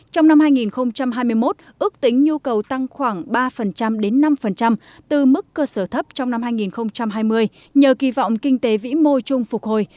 trong năm hai nghìn hai mươi một ước tính nhu cầu tăng khoảng ba đến năm từ mức cơ sở thấp trong năm hai nghìn hai mươi nhờ kỳ vọng kinh tế vĩ mô chung phục hồi